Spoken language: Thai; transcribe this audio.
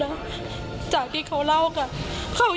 ดีกว่าจะได้ตัวคนร้าย